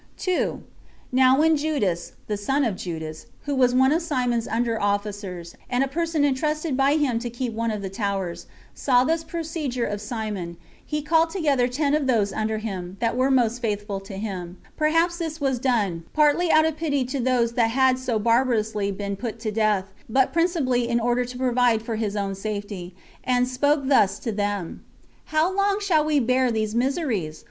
2. Now when Judas, the son of Judas, who was one of Simon's under officers, and a person intrusted by him to keep one of the towers, saw this procedure of Simon, he called together ten of those under him, that were most faithful to him, [perhaps this was done partly out of pity to those that had so barbarously been put to death, but principally in order to provide for his own safety,] and spoke thus to them: "How long shall we bear these miseries?